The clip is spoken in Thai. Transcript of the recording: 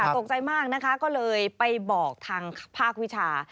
ตกใจมากนะคะก็เลยไปบอกทางภาควิชา